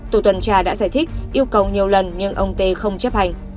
tổ tuần tra đã giải thích yêu cầu nhiều lần nhưng ông tê không chấp hành